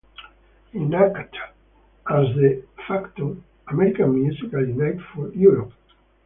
It acts as the "de facto" American musical unit for Europe.